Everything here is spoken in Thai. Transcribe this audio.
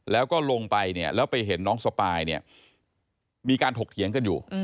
แล้วก็ลงไปเนี่ยแล้วไปเห็นน้องสปายเนี่ยมีการถกเถียงกันอยู่